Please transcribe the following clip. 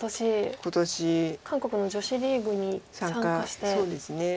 今年韓国の女子リーグに参加して。